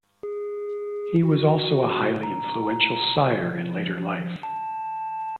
He was also a highly influential sire in later life.